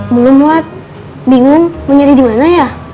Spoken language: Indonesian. belum wad bingung mau nyari di mana ya